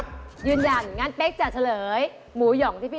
๒๓๐๐บาทอันนี้